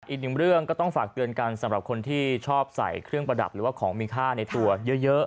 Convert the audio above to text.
อีกหนึ่งเรื่องก็ต้องฝากเตือนกันสำหรับคนที่ชอบใส่เครื่องประดับหรือว่าของมีค่าในตัวเยอะ